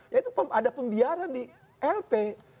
ya itu ada pembiaran di lp